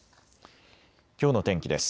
きょうの天気です。